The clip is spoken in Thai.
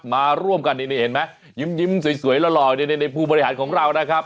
มาร่วมกันดีเลยเห็นมั้ยยิ้มยิ้มสวยหล่อในในพู่โบราษณ์ของเรานะครับ